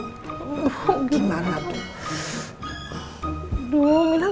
aduh minah gak tau harus ngomong apa